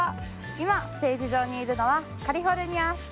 今ステージ上にいるのはカリフォルニアアシカ。